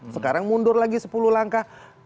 sekarang mundur lagi sepuluh langkah